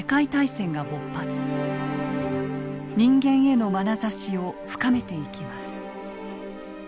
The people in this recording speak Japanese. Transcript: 人間へのまなざしを深めていきます。